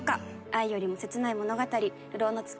愛よりも切ない物語『流浪の月』